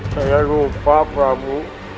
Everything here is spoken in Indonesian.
saya lupa prabu